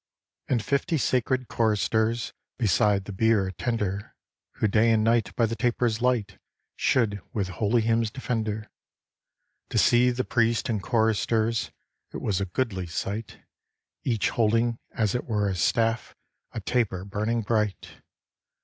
And fifty sacred Choristers Beside the bier attend her, Who day and night by the taper's light Should with holy hymns defend her. To see the Priests and Choristers It was a goodly sight, Each holding, as it were a staff, A taper burning bright.